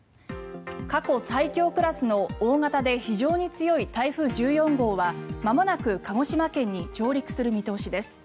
過去最強クラスの大型で非常に強い台風１４号はまもなく鹿児島県に上陸する見通しです。